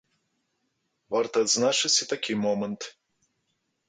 Варта адзначыць і такі момант.